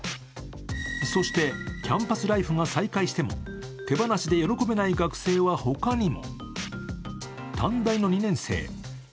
そして、キャンパスライフが再開しても手放しで喜べない学生は他にも。